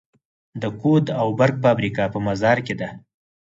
د کود او برق فابریکه په مزار کې ده